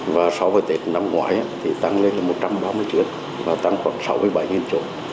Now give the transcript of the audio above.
và so với tết năm ngoái thì tăng lên là một trăm ba mươi chuyến và tăng khoảng sáu mươi bảy chỗ